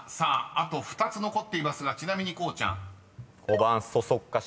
あと２つ残っていますがちなみにこうちゃん］５番「そそっかしい」？